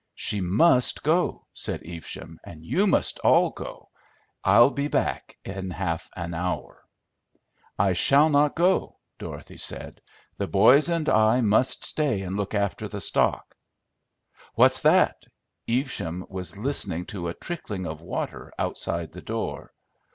"She must go!" said Evesham. "You must all go. I'll be back in half an hour" "I shall not go," Dorothy said; "the boys and I must stay and look after the stock." "What's that?" Evesham was listening to a trickling of water outside the door.